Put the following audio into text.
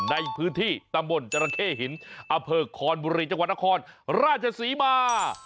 ในพื้นที่ตำบลจราเข้หินอเภอคอนบุรีจังหวัดนครราชศรีมา